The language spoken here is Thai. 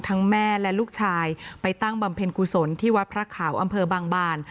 แม่และลูกชายไปตั้งบำเพ็ญกุศลที่วัดพระขาวอำเภอบางบาน